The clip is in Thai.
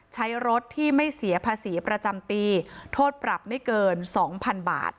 ใช้รถที่ไม่เสียภาษีประจำปีโทษปรับไม่เกิน๒๐๐๐บาท